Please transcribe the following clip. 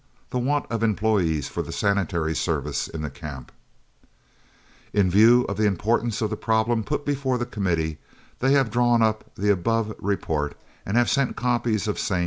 The want of employees for the sanitary service in the Camps. In view of the importance of the problem put before the Committee, they have drawn up the above report and have sent copies of same to all the members of the Consular Corps.